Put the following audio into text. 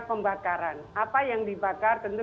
pembakaran apa yang dibakar tentu